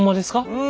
うん。